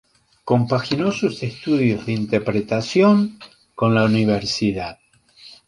Compaginó sus estudios de interpretación con la universidad.